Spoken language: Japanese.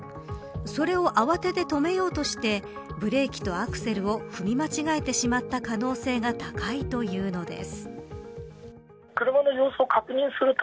それを慌てて止めようとしてブレーキとアクセルを踏み間違えてしまった可能性が高いというのです。